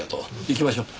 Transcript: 行きましょう。